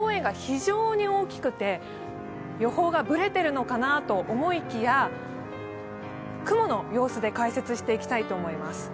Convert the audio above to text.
これを見ると、まだ予報円が非常に大きくて予報がブレてるのかなと思いきや、雲の様子で解説していきたいと思います。